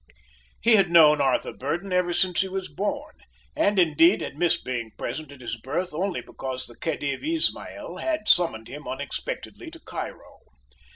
He had known Arthur Burdon ever since he was born, and indeed had missed being present at his birth only because the Khedive Ismaïl had summoned him unexpectedly to Cairo.